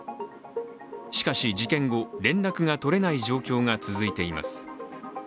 しかし、事件後、連絡が取れない状況が続いています。